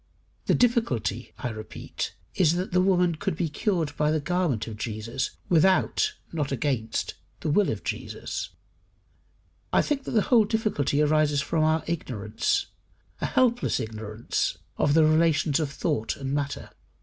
The difficulty, I repeat, is, that the woman could be cured by the garment of Jesus, without (not against) the will of Jesus. I think that the whole difficulty arises from our ignorance a helpless ignorance of the relations of thought and matter.